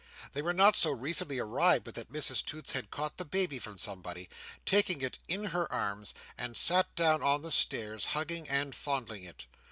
They were not so recently arrived, but that Mrs Toots had caught the baby from somebody, taken it in her arms, and sat down on the stairs, hugging and fondling it.